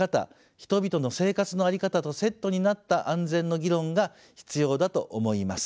人々の生活の在り方とセットになった安全の議論が必要だと思います。